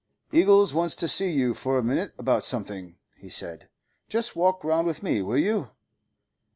'Eagles wants to see you for a minute about something,' he said. 'Just walk round with me, will you?